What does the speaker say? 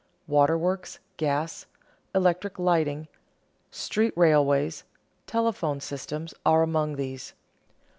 Waterworks, gas, electric lighting, street railways, telephone systems, are among these.